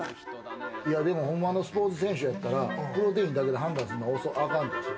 ホンマのスポーツ選手やったらプロテインだけで判断するのはあかん。